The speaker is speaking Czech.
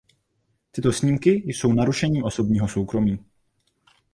Tyto snímky jsou narušením osobního soukromí.